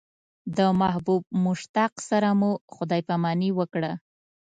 د محبوب مشتاق سره مو خدای پاماني وکړه.